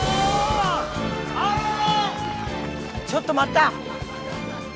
ちょっと待った！